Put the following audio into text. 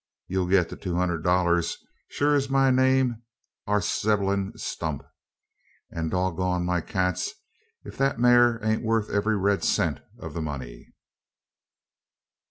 Ye'll git the two hunderd dollars, sure as my name air Zeblun Stump; an dog gone my cats, ef the maar ain't worth every red cent o' the money!"